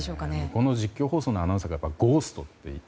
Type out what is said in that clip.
この実況放送のアナウンサーが、ゴーストって。